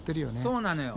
そうなのよ。